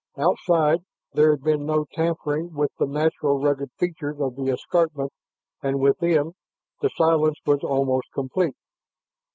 Outside there had been no tampering with the natural rugged features of the escarpment, and within, the silence was almost complete.